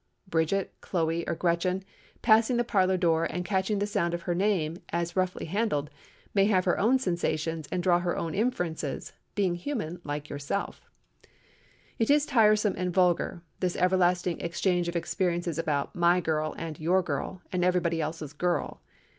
Bridget, Chloe, or Gretchen, passing the parlor door and catching the sound of her name as roughly handled, may have her own sensations, and draw her own inferences—being human like yourself. It is tiresome and vulgar, this everlasting exchange of experiences about "my girl," and "your girl," and everybody else's "girl."